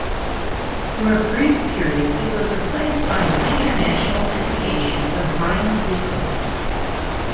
For a brief period it was replaced by an international syndication of Ryan Seacrest.